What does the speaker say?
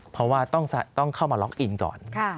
เพราะว่าต้องเข้ามาล็อกอินก่อน